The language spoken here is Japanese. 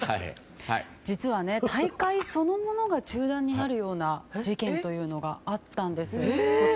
実は大会そのものが中断になるような事件というのがあったんです。